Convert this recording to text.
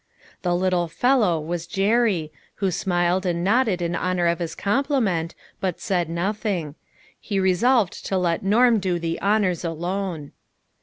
The " little fellow " was Jerry, who smiled and nodded in honor of his compliment, but said nothing ; he resolved to let Norm do the honors alone.